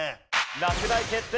落第決定！